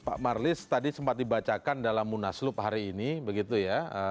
pak marlis tadi sempat dibacakan dalam munaslup hari ini begitu ya